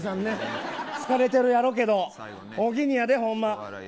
疲れてるやろうけどおおきにやで、ほんま。